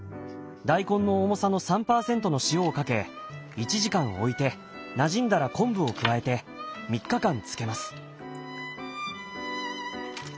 大根の重さの３％の塩をかけ１時間おいてなじんだら昆布を加えて３日間漬けます。